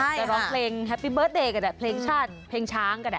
ไปร้องเพลงแฮปปี้เบิร์ตเดย์ก็ได้เพลงชาติเพลงช้างก็ได้